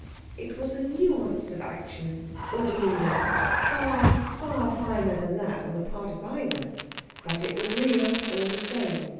It was a nuance of action or demeanour far, far finer than that on the part of either. But it was real all the same.